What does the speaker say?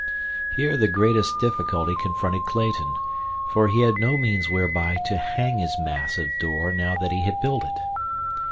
Here the greatest difficulty confronted Clayton, for he had no means whereby to hang his massive door now that he had built it.